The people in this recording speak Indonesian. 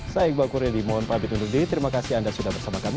saya iqbal kureli mohon paham untuk diri terima kasih anda sudah bersama kami